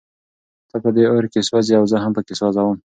ته په دې اور کې سوزې او زه هم پکې سوزم.